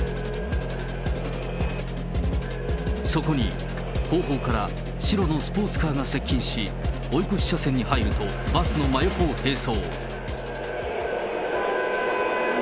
そこに、後方から白のスポーツカーが接近し、追い越し車線に入ると、バスの真横を並走。